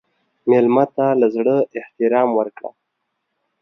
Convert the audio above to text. مېلمه ته له زړه احترام ورکړه.